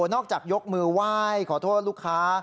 นอกจากยกมือว่ายขอโทษลูกค้า